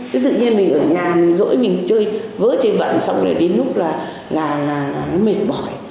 thế tự nhiên mình ở nhà mình rỗi mình chơi vỡ trên vận xong rồi đến lúc là nó mệt mỏi